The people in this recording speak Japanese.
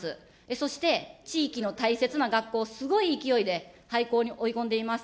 そして、地域の大切な学校、すごい勢いで廃校に追い込んでいます。